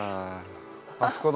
あそこの。